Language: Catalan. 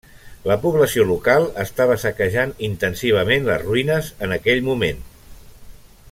La població local estava saquejant intensivament les ruïnes en aquell moment.